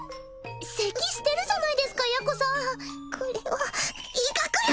せきしてるじゃないですかヤコさんこれは威嚇よ！